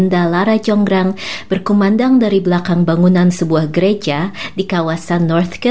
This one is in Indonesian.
di hari yang diwarnai hujan gerimis itu